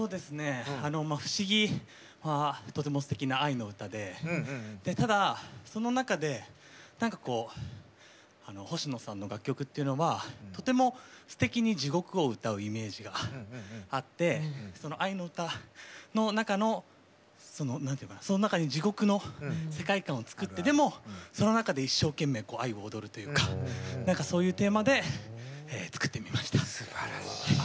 「不思議」はとても、すてきな愛の歌で、ただその中で星野さんの楽曲っていうのはとてもすてきに地獄を歌うイメージがあって、その愛の歌の中の、その中に地獄の世界観を作ってでも、その中で一生懸命愛を踊るというかそういうテーマで作ってみました。